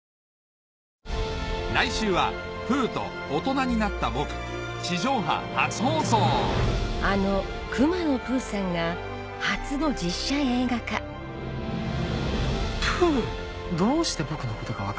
来週は『プーと大人になった僕』地上波初放送プーどうして僕のことが分かったんだい？